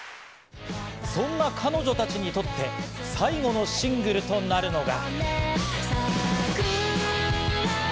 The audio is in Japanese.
そんな彼女たちにとって、最後のシングルとなるのが。